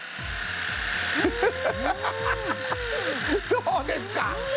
どうですか？